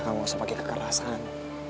kalo gak usah pake kekerasan